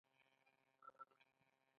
په ټوله کوڅه کې څلور ستنې ولاړې دي.